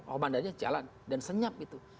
komandannya jalan dan senyap gitu